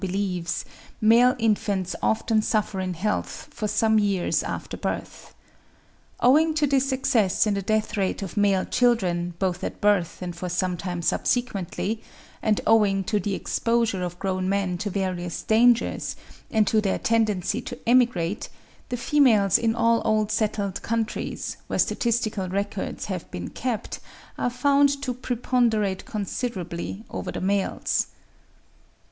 believes, male infants often suffer in health for some years after birth. Owing to this excess in the death rate of male children, both at birth and for some time subsequently, and owing to the exposure of grown men to various dangers, and to their tendency to emigrate, the females in all old settled countries, where statistical records have been kept, are found to preponderate considerably over the males.